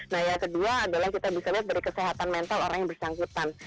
nah yang kedua adalah kita bisa lihat dari kesehatan mental orang yang bersangkutan